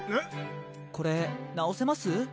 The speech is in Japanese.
これ直せます？